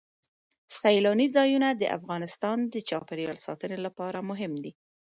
سیلاني ځایونه د افغانستان د چاپیریال ساتنې لپاره مهم دي.